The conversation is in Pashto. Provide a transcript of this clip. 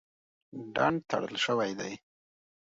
ډنډ تړل شوی دی.